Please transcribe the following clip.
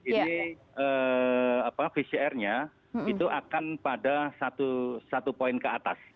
ini pcr nya itu akan pada satu poin ke atas